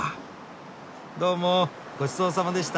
どうもごちそうさまでした。